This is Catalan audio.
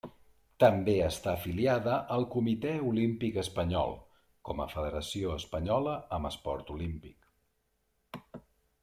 També està afiliada al Comitè Olímpic Espanyol com a federació espanyola amb esport olímpic.